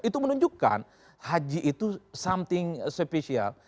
itu menunjukkan haji itu something spesial